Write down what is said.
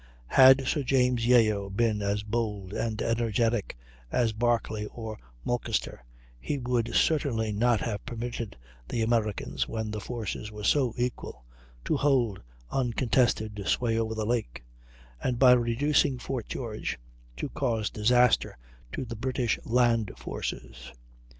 Had Sir James Yeo been as bold and energetic as Barclay or Mulcaster he would certainly not have permitted the Americans, when the forces were so equal, to hold uncontested sway over the lake, and by reducing Fort George, to cause disaster to the British land forces.